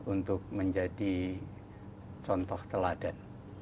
untuk menjadi contoh teladan